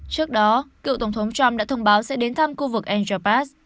trước đó cựu tổng thống trump đã thông báo sẽ đến thăm khu vực andropas